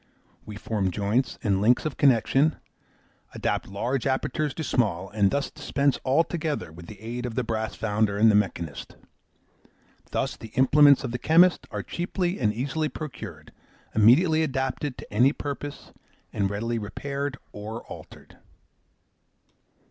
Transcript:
We form joints and links of connexion, adapt large apertures to small, and thus dispense altogether with the aid of the brassfounder and the mechanist. Thus the implements of the chemist are cheaply and easily procured, immediately adapted to any purpose, and readily repaired or altered.